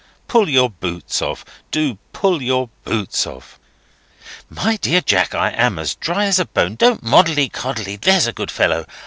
Pull your boots off. Do pull your boots off." "My dear Jack, I am as dry as a bone. Don't moddley coddley, there's a good fellow.